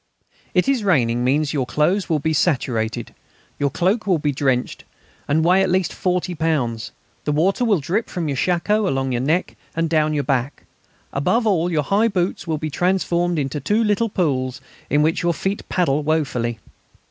"It is raining" means your clothes will be saturated; your cloak will be drenched, and weigh at least forty pounds; the water will drip from your shako along your neck and down your back; above all, your high boots will be transformed into two little pools in which your feet paddle woefully.